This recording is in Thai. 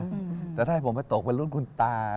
แต่ถ้าให้ผมไปตกเป็นรุ่นคุณตา